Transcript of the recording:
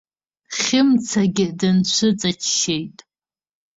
Хьымцагьы дынцәыҵаччеит.